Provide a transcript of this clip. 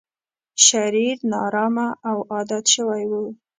شرير، نا ارامه او عادت شوی و.